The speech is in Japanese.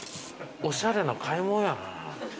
おしゃれな買い物やな。